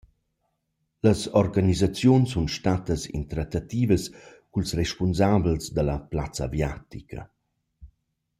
Las organisaziuns sun stattas in trattativas culs respunsabels da la plazza aviatica.